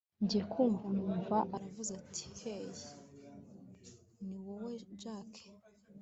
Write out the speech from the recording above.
ngiye kumva numva aravuze ati hey! ni wowe jack!